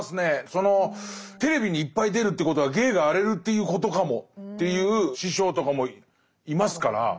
そのテレビにいっぱい出るということは芸が荒れるっていうことかもって言う師匠とかもいますから。